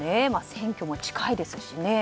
選挙も近いですしね。